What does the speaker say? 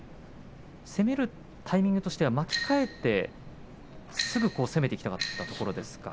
攻めるタイミングとしては巻き替えてすぐ攻めていきたかったですか。